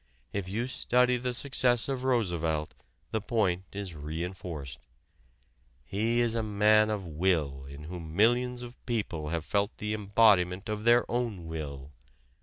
If you study the success of Roosevelt the point is re enforced. He is a man of will in whom millions of people have felt the embodiment of their own will.